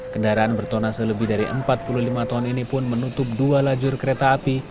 kendaraan bertona selebih dari empat puluh lima ton ini pun menutup dua lajur kereta api